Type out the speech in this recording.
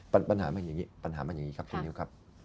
ปัญหามันอย่างนี้ครับคุณยิวครับ